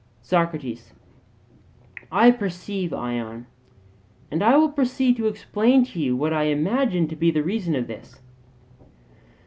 SOCRATES: I perceive, Ion; and I will proceed to explain to you what I imagine to be the reason of this.